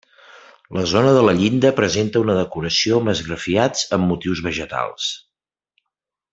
La zona de la llinda presenta una decoració amb esgrafiats amb motius vegetals.